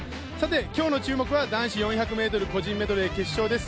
今日の注目は男子４００ｍ個人メドレー決勝です。